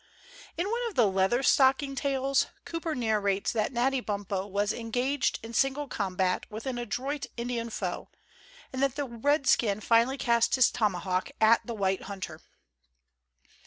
In one of the Leatherstocking tales, Cooper narrates that Natty Bumppo was engaged in single combat with an adroit Indian foe, and that the redskin finally cast his tomahawk at the white hunter.